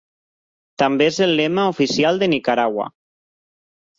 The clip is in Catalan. També és el lema oficial de Nicaragua.